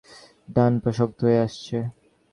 ডান পা শক্ত হয়ে আসছে।